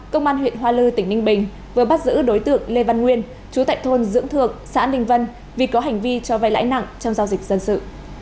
tổng thượng xã ninh vân vì có hành vi cho vay lãi nặng trong giao dịch dân sự